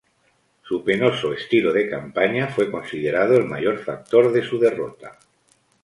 Su penoso estilo de campaña fue considerado el mayor factor de su derrota.